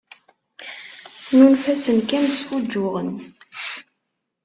Nunef-asen kan sfuǧǧuɣen.